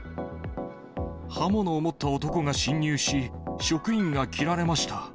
刃物を持った男が侵入し、職員が切られました。